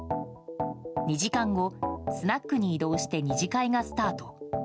２時間後、スナックに移動して２次会がスタート。